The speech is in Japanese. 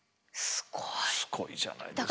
すごいじゃないですか。